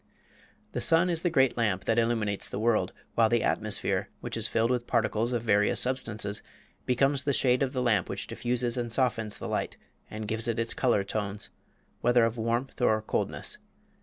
The sun is the great lamp that illuminates the world, while the atmosphere, which is filled with particles of various substances, becomes the shade of the lamp which diffuses and softens the light and gives it its color tones, whether of warmth or coldness.